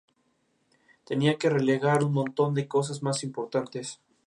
El Estado y las empresas privadas constituirían la sociedad a partes iguales.